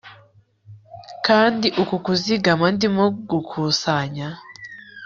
Kandi uku kuzigama ndimo gukusanya